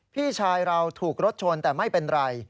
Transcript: พี่ชายเราถูกรถชนแต่ไม่เป็นไร